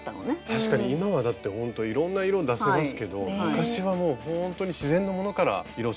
確かに今はだってほんといろんな色出せますけど昔はもうほんとに自然のものから色染めたりとか。